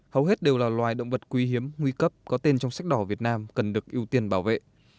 hầu hết đều là loài động vật quý hiếm nguy cấp có tên trong sách đỏ việt nam cần được ưu tiên bảo vệ